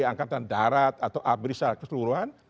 angkatan darat atau abris keseluruhan